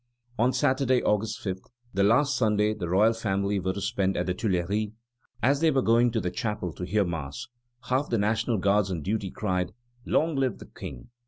On Sunday, August 5, the last Sunday the royal family were to spend at the Tuileries, as they were going to the chapel to hear Mass, half the National Guards on duty cried: "Long live the King!"